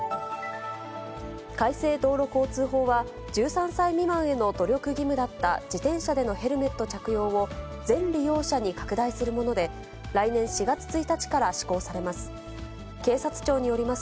改正道路交通法は、１３歳未満への努力義務だった自転車でのヘルメット着用を、全利用者に拡大するもので、来年４月１日から施行されます。